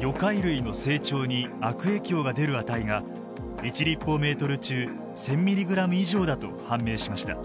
魚介類の成長に悪影響が出る値が１立方メートル中１，０００ミリグラム以上だと判明しました。